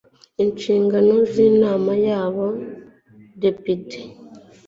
inshingano zinama yaba depite